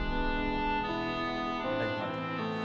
tapi saya gak salah ibu